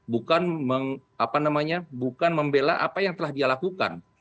bukan membela apa yang telah dia lakukan